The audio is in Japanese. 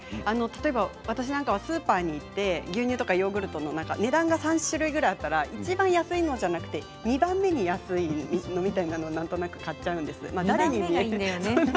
例えば私なんかはスーパーに行って、牛乳やヨーグルトの値段が３種類あったらいちばん安いのじゃなくて２番目に安いものをなんとなく買っちゃうんですよね。